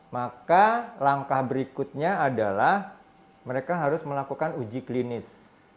maka langkah berikutnya adalah mereka harus melakukan uji klinis